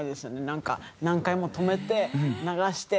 なんか何回も止めて流して。